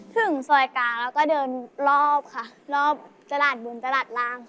ถึงซอยกลางแล้วก็เดินรอบค่ะรอบตลาดบุญตลาดร่างค่ะ